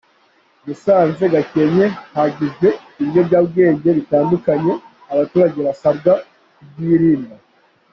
Musanze–Gakenke: Hangijwe ibiyobyabwenge bitandukanye, abaturage basabwa kubyirinda.